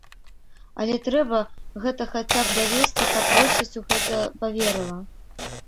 Але трэба гэта хаця б давесці, каб большасць у гэта паверыла.